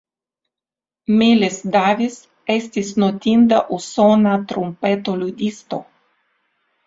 Miles Davis estis notinda usona trumpeto ludisto.